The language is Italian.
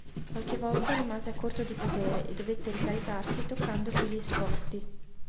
Qualche volta rimase a corto di potere e dovette ricaricarsi toccando fili esposti.